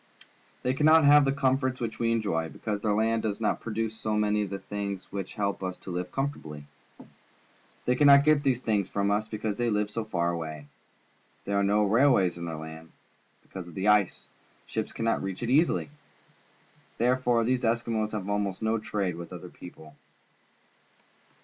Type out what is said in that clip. They cannot ha\'e the comforts which we enjoy, because their land does not produce so many of the things which help us to live comfortably. They cannot get these things from us, be cause they live so far away. There are no railways in their land. Because of the ice, ships cannot reach it easily. Therefore these Eskimos have almost no trade with other people.